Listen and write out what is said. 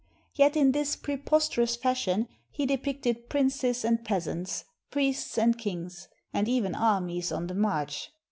Yet in this preposterous fashion he depicted princes and peasants, priests and kings, and even armies on the march.